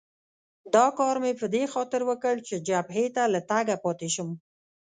دا کار مې په دې خاطر وکړ چې جبهې ته له تګه پاتې شم.